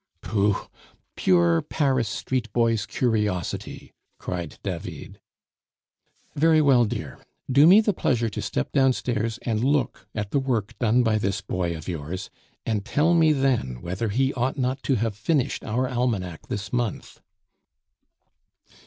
"Pooh! pure Paris street boy's curiosity," cried David. "Very well, dear, do me the pleasure to step downstairs and look at the work done by this boy of yours, and tell me then whether he ought not to have finished our almanac this month."